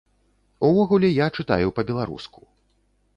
Увогуле, я чытаю па-беларуску.